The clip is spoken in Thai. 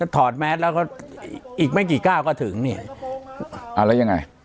ถอดแมสแล้วอีกไม่กี่ก้าวก็ถึงเนี่ย